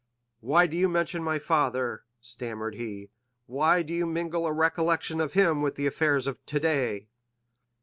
"Why do you mention my father?" stammered he; "why do you mingle a recollection of him with the affairs of today?"